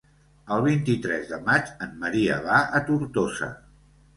El vint-i-tres de maig en Maria va a Tortosa.